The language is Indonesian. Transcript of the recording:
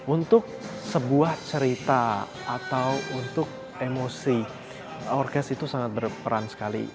untuk sebuah cerita atau untuk emosi orkes itu sangat berperan sekali